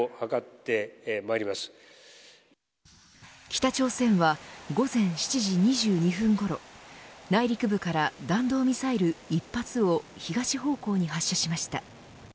北朝鮮は午前７時２２分ごろ内陸部から弾道ミサイル１発を東方向に発射しました。